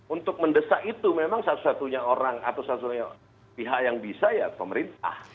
untuk mendesak itu memang satu satunya orang atau satu satunya pihak yang bisa ya pemerintah